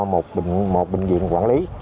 một bệnh viện quản lý